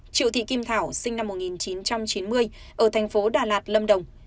triệu thị kim thảo sinh năm một nghìn chín trăm chín mươi ở thành phố đà lạt lâm đồng